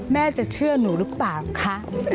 แม่จะเชื่อหนูหรือเปล่าคะ